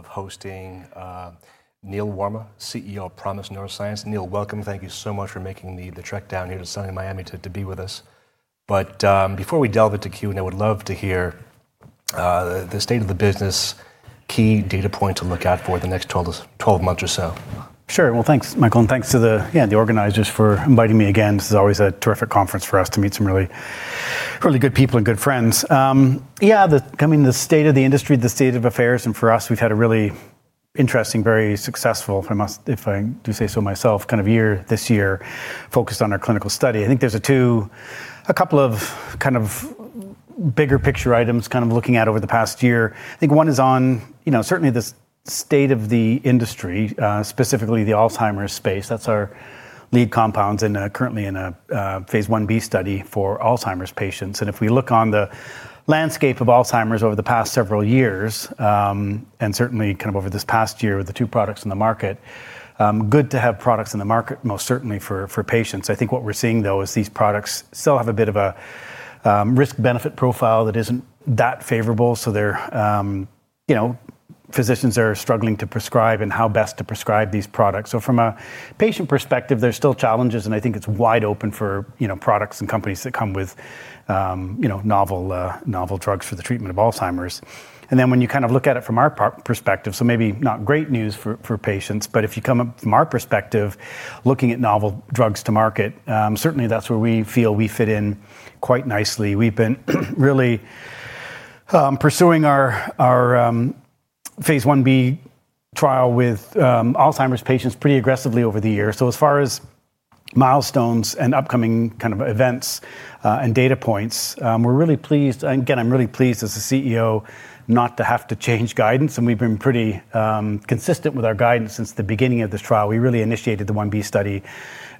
Of hosting Neil Warma, CEO of ProMIS Neurosciences. Neil, welcome. Thank you so much for making the trek down here to sunny Miami to be with us. But before we delve into Q&A, I would love to hear the state of the business, key data points to look out for the next 12 months or so. Sure. Well, thanks, Michael. And thanks to the organizers for inviting me again. This is always a terrific conference for us to meet some really good people and good friends. Yeah, the state of the industry, the state of affairs. And for us, we've had a really interesting, very successful, if I do say so myself, kind of year this year focused on our clinical study. I think there's a couple of kind of bigger picture items kind of looking at over the past year. I think one is on certainly the state of the industry, specifically the Alzheimer's space. That's our lead compounds and currently in a phase I-B study for Alzheimer's patients. And if we look on the landscape of Alzheimer's over the past several years, and certainly kind of over this past year with the two products in the market, good to have products in the market, most certainly for patients. I think what we're seeing, though, is these products still have a bit of a risk-benefit profile that isn't that favorable. So physicians are struggling to prescribe and how best to prescribe these products. So from a patient perspective, there's still challenges. And I think it's wide open for products and companies that come with novel drugs for the treatment of Alzheimer's. And then when you kind of look at it from our perspective, so maybe not great news for patients, but if you come up from our perspective looking at novel drugs to market, certainly that's where we feel we fit in quite nicely. We've been really pursuing our phase I-B trial with Alzheimer's patients pretty aggressively over the year. So as far as milestones and upcoming kind of events and data points, we're really pleased. And again, I'm really pleased as the CEO not to have to change guidance. And we've been pretty consistent with our guidance since the beginning of this trial. We really initiated the 1b study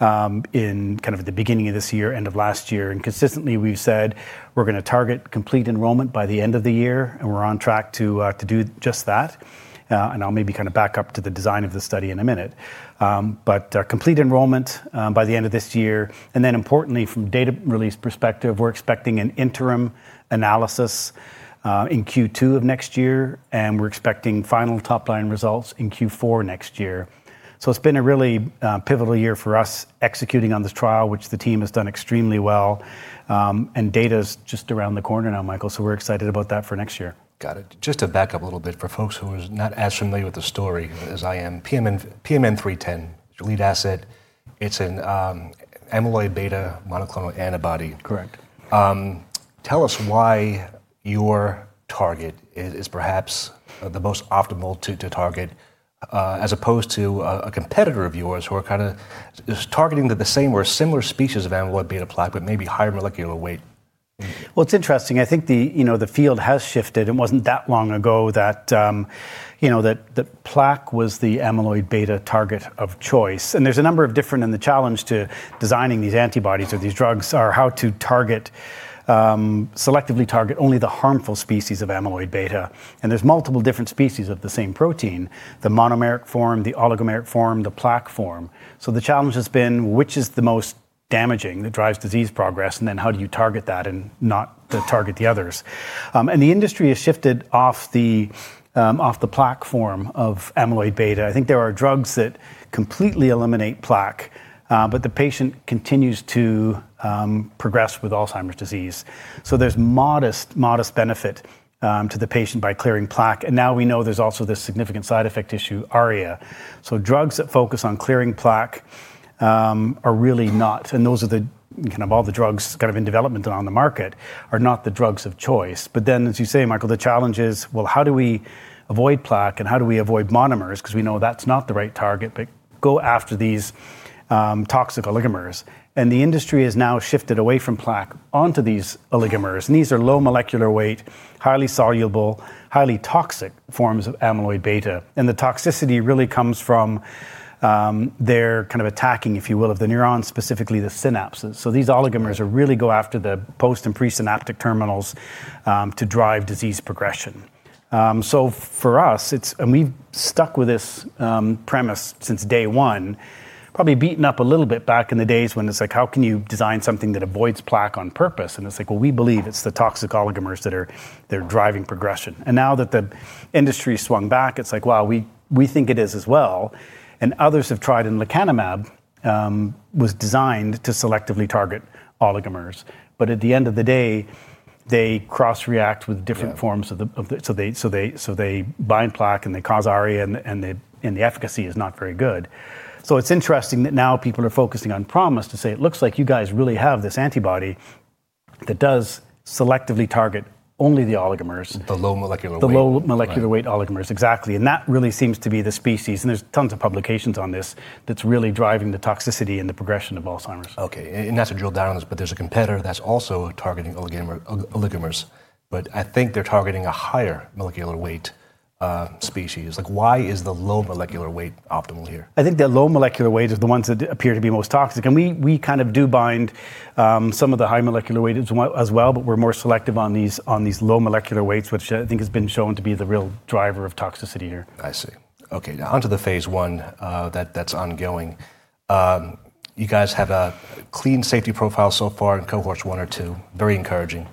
in kind of the beginning of this year, end of last year. And consistently, we've said we're going to target complete enrollment by the end of the year. And we're on track to do just that. And I'll maybe kind of back up to the design of the study in a minute. But complete enrollment by the end of this year. And then importantly, from data release perspective, we're expecting an interim analysis in Q2 of next year. And we're expecting final top-line results in Q4 next year. So it's been a really pivotal year for us executing on this trial, which the team has done extremely well. And data is just around the corner now, Michael. So we're excited about that for next year. Got it. Just to back up a little bit for folks who are not as familiar with the story as I am, PMN310, lead asset. It's an amyloid beta monoclonal antibody. Correct. Tell us why your target is perhaps the most optimal to target as opposed to a competitor of yours who are kind of targeting the same or similar species of amyloid beta plaque, but maybe higher molecular weight? It's interesting. I think the field has shifted. It wasn't that long ago that plaque was the amyloid beta target of choice. And there's a number of different and the challenge to designing these antibodies or these drugs are how to selectively target only the harmful species of amyloid beta. And there's multiple different species of the same protein, the monomeric form, the oligomeric form, the plaque form. So the challenge has been which is the most damaging that drives disease progress. And then how do you target that and not target the others? And the industry has shifted off the plaque form of amyloid beta. I think there are drugs that completely eliminate plaque, but the patient continues to progress with Alzheimer's disease. So there's modest benefit to the patient by clearing plaque. And now we know there's also this significant side effect issue, ARIA. So, drugs that focus on clearing plaque are really not, and those are the kind of all the drugs kind of in development and on the market are not the drugs of choice. But then, as you say, Michael, the challenge is, well, how do we avoid plaque and how do we avoid monomers. Because we know that's not the right target, but go after these toxic oligomers. And the industry has now shifted away from plaque onto these oligomers. And these are low molecular weight, highly soluble, highly toxic forms of amyloid beta. And the toxicity really comes from their kind of attacking, if you will, of the neurons, specifically the synapses. So these oligomers really go after the post and presynaptic terminals to drive disease progression. So for us, and we've stuck with this premise since day one, probably beaten up a little bit back in the days when it's like, how can you design something that avoids plaque on purpose? And it's like, well, we believe it's the toxic oligomers that are driving progression. And now that the industry swung back, it's like, wow, we think it is as well. And others have tried. And lecanemab was designed to selectively target oligomers. But at the end of the day, they cross-react with different forms of the, so they bind plaque and they cause ARIA, and the efficacy is not very good. So it's interesting that now people are focusing on ProMIS to say, it looks like you guys really have this antibody that does selectively target only the oligomers. The low molecular weight. The low molecular weight oligomers. Exactly. And that really seems to be the species. And there's tons of publications on this that's really driving the toxicity and the progression of Alzheimer's. OK. And not to drill down on this, but there's a competitor that's also targeting oligomers. But I think they're targeting a higher molecular weight species. Why is the low molecular weight optimal here? I think the low molecular weight is the ones that appear to be most toxic. And we kind of do bind some of the high molecular weight as well. But we're more selective on these low molecular weights, which I think has been shown to be the real driver of toxicity here. I see. OK, now onto the phase I that's ongoing. You guys have a clean safety profile so far in cohorts one or two. Very encouraging.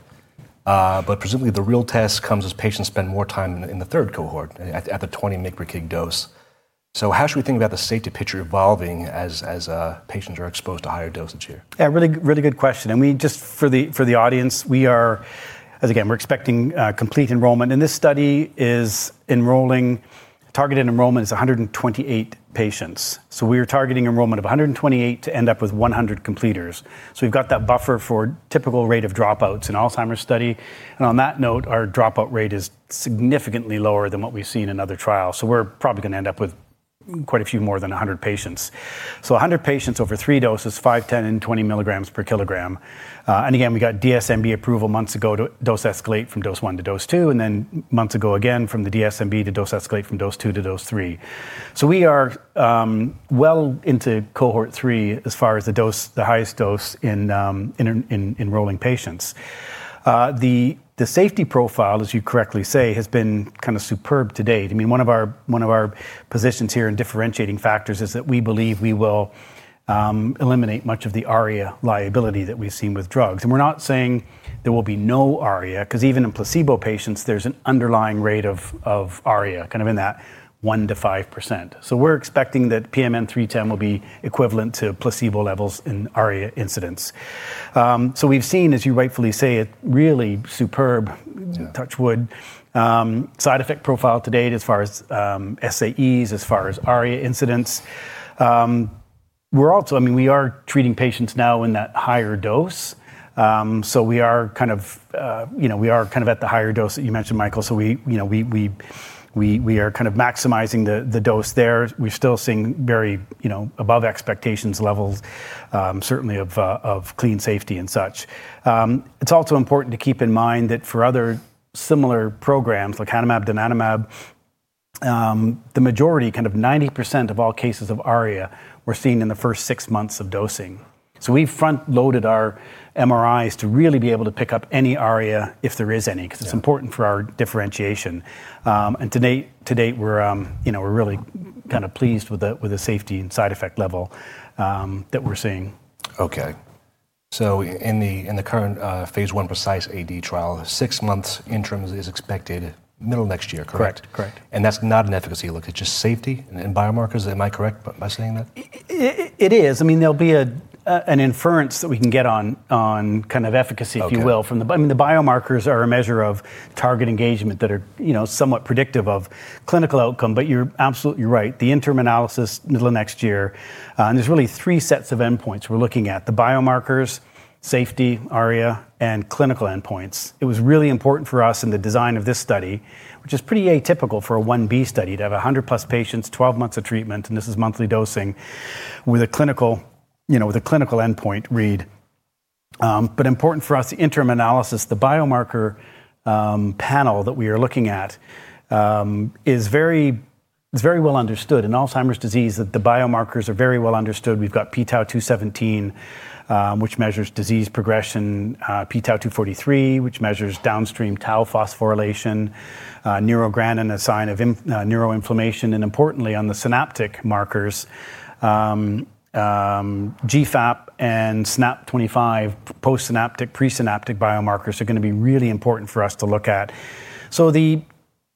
But presumably the real test comes as patients spend more time in the third cohort at the 20 microgram dose. So how should we think about the safety picture evolving as patients are exposed to higher dosage here? Yeah, really good question, and just for the audience, we are, again, we're expecting complete enrollment, and this study is enrolling, targeted enrollment is 128 patients, so we are targeting enrollment of 128 to end up with 100 completers, so we've got that buffer for typical rate of dropouts in Alzheimer's study, and on that note, our dropout rate is significantly lower than what we've seen in other trials, so we're probably going to end up with quite a few more than 100 patients, so 100 patients over three doses, 5 mg, 10 mg, and 20 mg per kilogram, and again, we got DSMB approval months ago to dose escalate from dose one to dose two, and then months ago again from the DSMB to dose escalate from dose two to dose three, so we are well into cohort three as far as the highest dose in enrolling patients. The safety profile, as you correctly say, has been kind of superb to date. I mean, one of our positions here in differentiating factors is that we believe we will eliminate much of the ARIA liability that we've seen with drugs. And we're not saying there will be no ARIA because even in placebo patients, there's an underlying rate of ARIA kind of in that 1%-5%. So we're expecting that PMN310 will be equivalent to placebo levels in ARIA incidents. So we've seen, as you rightfully say, a really superb, touch wood, side effect profile to date as far as SAEs, as far as ARIA incidents. I mean, we are treating patients now in that higher dose. So we are kind of at the higher dose that you mentioned, Michael. So we are kind of maximizing the dose there. We're still seeing very above expectations levels, certainly of clean safety and such. It's also important to keep in mind that for other similar programs, lecanemab, donanemab, the majority, kind of 90% of all cases of ARIA were seen in the first six months of dosing. So we've front-loaded our MRIs to really be able to pick up any ARIA if there is any because it's important for our differentiation, and to date, we're really kind of pleased with the safety and side effect level that we're seeing. OK, so in the current phase I PRECISE-AD trial, six-month interim is expected middle next year, correct? Correct. And that's not an efficacy look. It's just safety and biomarkers. Am I correct by saying that? It is. I mean, there'll be an inference that we can get on kind of efficacy, if you will, from the biomarkers are a measure of target engagement that are somewhat predictive of clinical outcome. But you're absolutely right. The interim analysis, middle of next year, and there's really three sets of endpoints we're looking at: the biomarkers, safety, ARIA, and clinical endpoints. It was really important for us in the design of this study, which is pretty atypical for a I-B study to have 100+ patients, 12 months of treatment, and this is monthly dosing with a clinical endpoint read. But important for us, the interim analysis, the biomarker panel that we are looking at is very well understood in Alzheimer's disease that the biomarkers are very well understood. We've got pTau217, which measures disease progression, pTau243, which measures downstream tau phosphorylation, neurogranin, a sign of neuroinflammation. And importantly, on the synaptic markers, GFAP and SNAP-25 postsynaptic, presynaptic biomarkers are going to be really important for us to look at. So the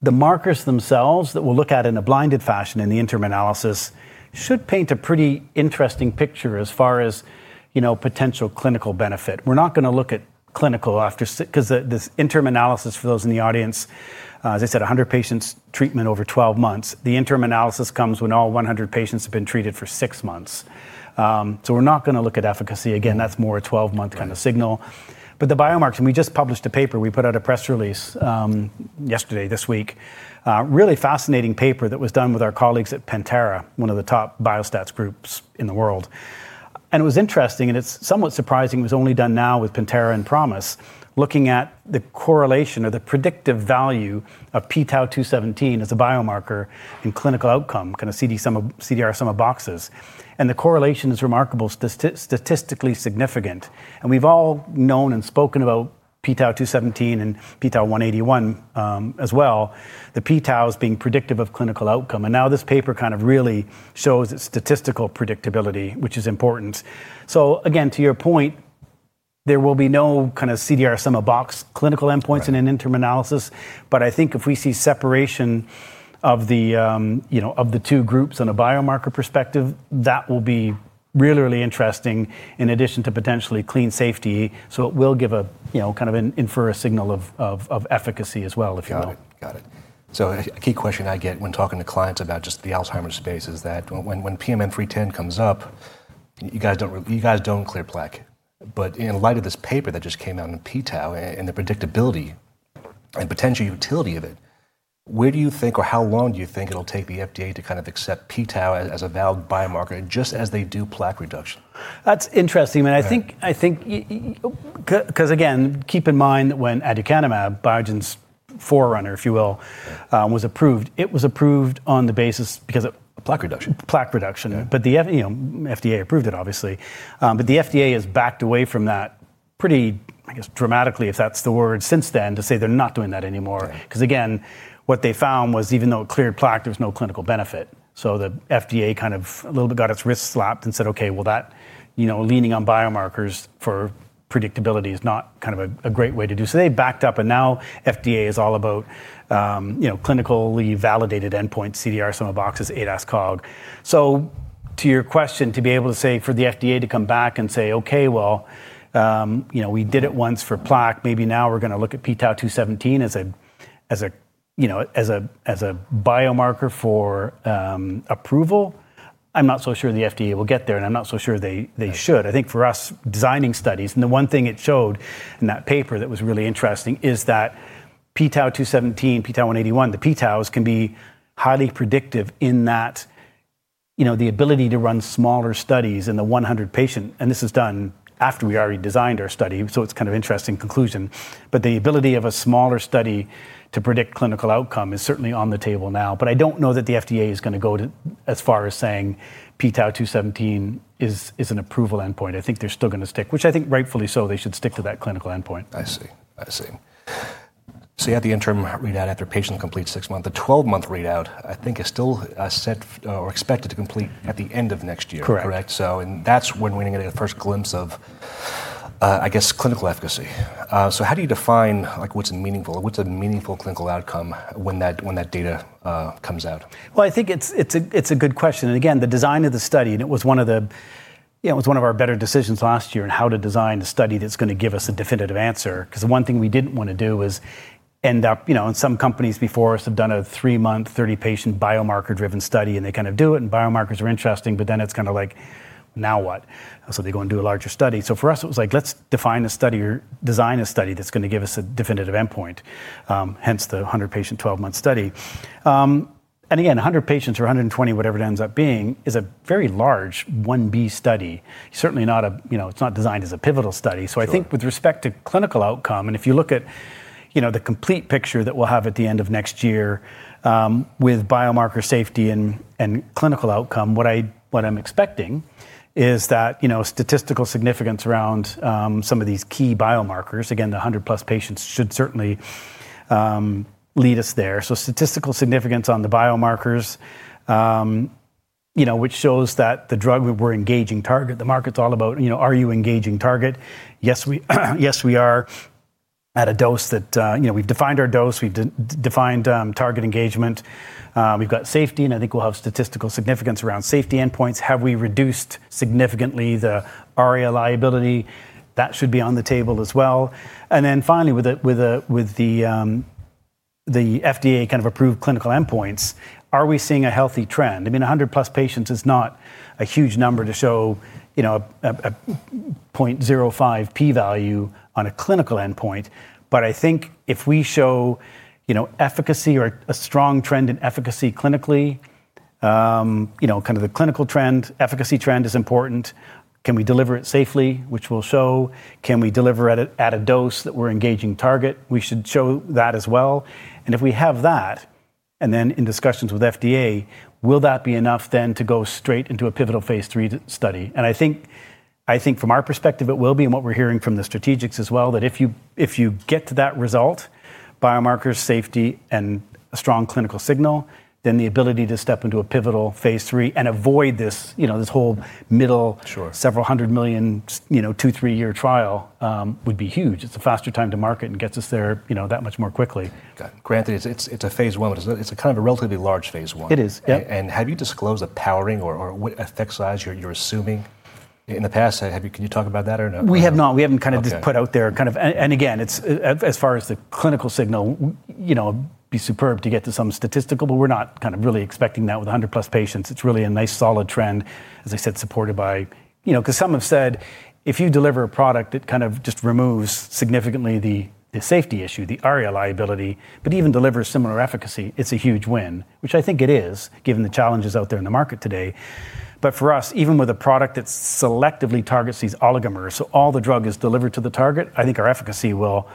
markers themselves that we'll look at in a blinded fashion in the interim analysis should paint a pretty interesting picture as far as potential clinical benefit. We're not going to look at clinical after because this interim analysis, for those in the audience, as I said, 100 patients treatment over 12 months. The interim analysis comes when all 100 patients have been treated for six months. So we're not going to look at efficacy. Again, that's more a 12-month kind of signal. But the biomarkers, and we just published a paper. We put out a press release yesterday, this week, really fascinating paper that was done with our colleagues at Pentara, one of the top biostats groups in the world. And it was interesting. And it's somewhat surprising. It was only done now with Pentara and ProMIS looking at the correlation or the predictive value of pTau217 as a biomarker in clinical outcome, kind of CDR Sum of Boxes. And the correlation is remarkable, statistically significant. And we've all known and spoken about pTau217 and pTau181 as well, the pTaus being predictive of clinical outcome. And now this paper kind of really shows its statistical predictability, which is important. So again, to your point, there will be no kind of CDR Sum of Boxes clinical endpoints in an interim analysis. But I think if we see separation of the two groups on a biomarker perspective, that will be really, really interesting in addition to potentially clean safety. So it will give a kind of infer a signal of efficacy as well, if you will. Got it. So a key question I get when talking to clients about just the Alzheimer's space is that when PMN310 comes up, you guys don't clear plaque. But in light of this paper that just came out on pTau and the predictability and potential utility of it, where do you think, or how long do you think it'll take the FDA to kind of accept pTau as a valid biomarker just as they do plaque reduction? That's interesting. I mean, I think because again, keep in mind when aducanumab, Biogen's forerunner, if you will, was approved, it was approved on the basis because of plaque reduction. Plaque reduction. But the FDA approved it, obviously. But the FDA has backed away from that pretty, I guess, dramatically, if that's the word, since then to say they're not doing that anymore. Because again, what they found was even though it cleared plaque, there was no clinical benefit. So the FDA kind of a little bit got its wrist slapped and said, OK, well, that leaning on biomarkers for predictability is not kind of a great way to do. So they backed up. And now FDA is all about clinically validated endpoints, CDR Sum of Boxes, ADAS-Cog. So to your question, to be able to say for the FDA to come back and say, well, we did it once for plaque, maybe now we're going to look at pTau217 as a biomarker for approval, I'm not so sure the FDA will get there. And I'm not so sure they should. I think for us designing studies, and the one thing it showed in that paper that was really interesting is that pTau217, pTau181, the pTaus can be highly predictive in that the ability to run smaller studies in the 100 patients. And this is done after we already designed our study. So it's kind of an interesting conclusion. But the ability of a smaller study to predict clinical outcome is certainly on the table now. But I don't know that the FDA is going to go as far as saying pTau217 is an approval endpoint. I think they're still going to stick, which I think, rightfully so, they should stick to that clinical endpoint. I see. I see. So you had the interim readout after patients complete six months. The 12-month readout, I think, is still set or expected to complete at the end of next year. Correct. Correct? So that's when we're going to get a first glimpse of, I guess, clinical efficacy. So how do you define what's meaningful, what's a meaningful clinical outcome when that data comes out? I think it's a good question. Again, the design of the study, and it was one of our better decisions last year in how to design a study that's going to give us a definitive answer. Because the one thing we didn't want to do is end up, and some companies before us have done a three-month, 30-patient biomarker-driven study. They kind of do it. Biomarkers are interesting. Then it's kind of like, now what? They go and do a larger study. For us, it was like, let's define a study or design a study that's going to give us a definitive endpoint, hence the 100-patient 12-month study. Again, 100 patients or 120, whatever it ends up being, is a very large I-B study. Certainly not. It's not designed as a pivotal study. So, I think with respect to clinical outcome, and if you look at the complete picture that we'll have at the end of next year with biomarker safety and clinical outcome, what I'm expecting is that statistical significance around some of these key biomarkers, again, the 100+ patients should certainly lead us there. So, statistical significance on the biomarkers, which shows that the drug we're engaging target, the market's all about, are you engaging target? Yes, we are at a dose that we've defined our dose. We've defined target engagement. We've got safety. And I think we'll have statistical significance around safety endpoints. Have we reduced significantly the ARIA liability? That should be on the table as well. And then finally, with the FDA kind of approved clinical endpoints, are we seeing a healthy trend? I mean, 100+ patients is not a huge number to show a 0.05 p-value on a clinical endpoint. But I think if we show efficacy or a strong trend in efficacy clinically, kind of the clinical trend, efficacy trend is important. Can we deliver it safely, which we'll show? Can we deliver at a dose that we're engaging target? We should show that as well. And if we have that, and then in discussions with FDA, will that be enough then to go straight into a pivotal phase III study? And I think from our perspective, it will be. And what we're hearing from the strategics as well, that if you get to that result, biomarkers, safety, and a strong clinical signal, then the ability to step into a pivotal phase III and avoid this whole middle several hundred million two, three-year trial would be huge. It's a faster time to market and gets us there that much more quickly. Got it. Granted, it's a phase I, but it's kind of a relatively large phase I. It is. And have you disclosed the powering or what effect size you're assuming? In the past, can you talk about that or no? We have not. We haven't kind of put out there kind of, and again, as far as the clinical signal, it would be superb to get to some statistical, but we're not kind of really expecting that with 100+ patients. It's really a nice solid trend, as I said, supported by, because some have said if you deliver a product that kind of just removes significantly the safety issue, the ARIA liability, but even delivers similar efficacy, it's a huge win, which I think it is given the challenges out there in the market today. But for us, even with a product that selectively targets these oligomers, so all the drug is delivered to the target, I think our efficacy will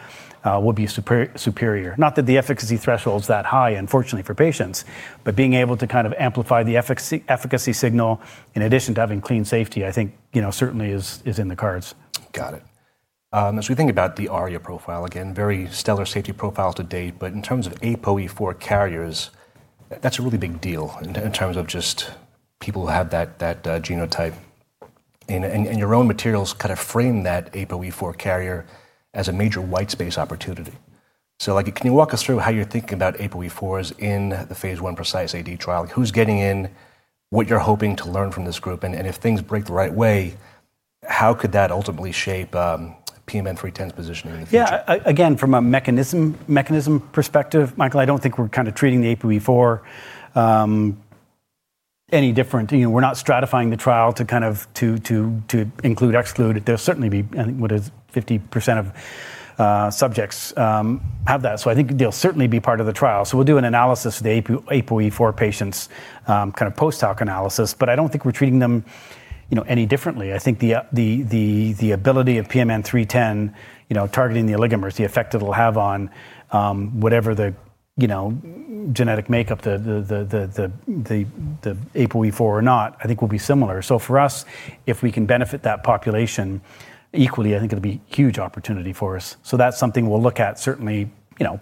be superior. Not that the efficacy threshold's that high, unfortunately, for patients, but being able to kind of amplify the efficacy signal in addition to having clean safety, I think certainly is in the cards. Got it. As we think about the ARIA profile, again, very stellar safety profile to date. But in terms of APOE4 carriers, that's a really big deal in terms of just people who have that genotype. And your own materials kind of frame that APOE4 carrier as a major white space opportunity. So can you walk us through how you're thinking about APOE4s in the phase I PRECISE-AD trial? Who's getting in? What you're hoping to learn from this group? And if things break the right way, how could that ultimately shape PMN310's positioning? Yeah. Again, from a mechanism perspective, Michael, I don't think we're kind of treating the APOE4 any different. We're not stratifying the trial to kind of include/exclude. There'll certainly be, I think, what is 50% of subjects have that. So I think they'll certainly be part of the trial. So we'll do an analysis of the APOE4 patients, kind of post-hoc analysis. But I don't think we're treating them any differently. I think the ability of PMN310 targeting the oligomers, the effect it'll have on whatever the genetic makeup, the APOE4 or not, I think will be similar. So for us, if we can benefit that population equally, I think it'll be a huge opportunity for us. So that's something we'll look at certainly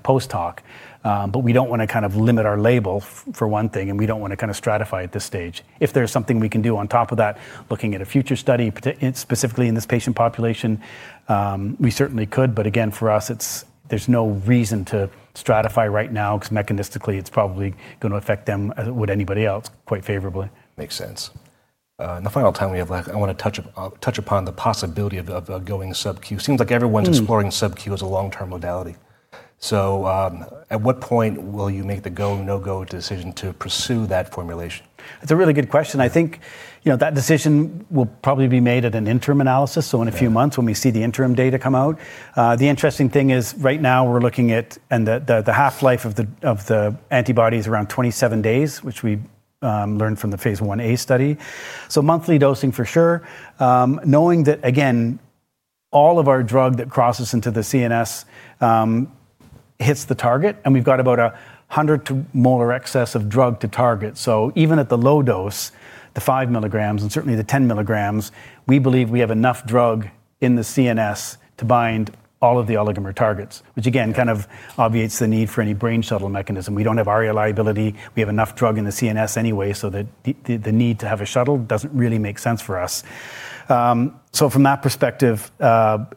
post-hoc. But we don't want to kind of limit our label, for one thing. And we don't want to kind of stratify at this stage. If there's something we can do on top of that, looking at a future study, specifically in this patient population, we certainly could. But again, for us, there's no reason to stratify right now because mechanistically, it's probably going to affect them, would anybody else, quite favorably. Makes sense. In the final time we have, I want to touch upon the possibility of going subcu. Seems like everyone's exploring subcu as a long-term modality. So at what point will you make the go/no-go decision to pursue that formulation? That's a really good question. I think that decision will probably be made at an interim analysis. So in a few months when we see the interim data come out. The interesting thing is right now we're looking at, and the half-life of the antibody is around 27 days, which we learned from the phase I-A study. So monthly dosing for sure. Knowing that, again, all of our drug that crosses into the CNS hits the target. And we've got about 100 molar excess of drug to target. So even at the low dose, the 5 mg and certainly the 10 mg, we believe we have enough drug in the CNS to bind all of the oligomer targets, which again kind of obviates the need for any brain shuttle mechanism. We don't have ARIA liability. We have enough drug in the CNS anyway, so that the need to have a shuttle doesn't really make sense for us, so from that perspective,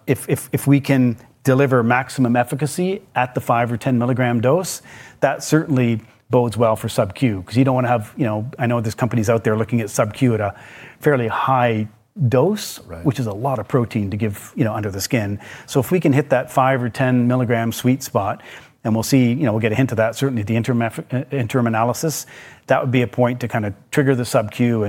if we can deliver maximum efficacy at the 5 mg or 10 mg dose, that certainly bodes well for subcu. Because you don't want to have, I know there's companies out there looking at subcu at a fairly high dose, which is a lot of protein to give under the skin, so if we can hit that 5 mg or 10 mg sweet spot, and we'll see, we'll get a hint of that certainly at the interim analysis, that would be a point to kind of trigger the subcu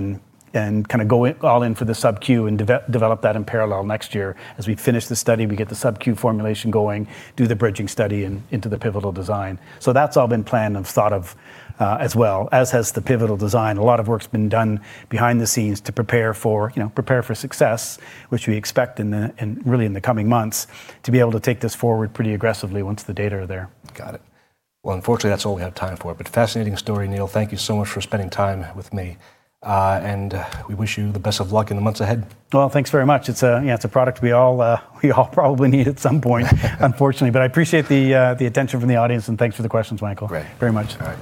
and kind of go all in for the subcu and develop that in parallel next year. As we finish the study, we get the subcu formulation going, do the bridging study into the pivotal design. That's all been planned and thought of as well, as has the pivotal design. A lot of work's been done behind the scenes to prepare for success, which we expect really in the coming months to be able to take this forward pretty aggressively once the data are there. Got it. Well, unfortunately, that's all we have time for. But fascinating story, Neil. Thank you so much for spending time with me. And we wish you the best of luck in the months ahead. Thanks very much. It's a product we all probably need at some point, unfortunately. I appreciate the attention from the audience. Thanks for the questions, Michael. Great. Very much.